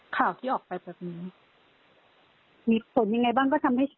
ข่าวที่ออกไปแบบนี้มีผลยังไงบ้างก็ทำให้